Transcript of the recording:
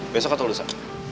besok atau lusa